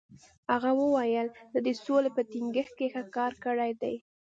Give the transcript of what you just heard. هغه وویل، زه د سولې په ټینګښت کې ښه کار کړی دی.